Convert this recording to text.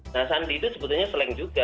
nah sandi itu sebetulnya slang juga